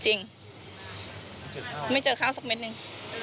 ไม่เจอข้าวสักเม็ดหนึ่ง